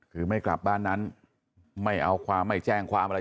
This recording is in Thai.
คือไม่กลับบ้านนั้นไม่เอาความไม่แจ้งความอะไร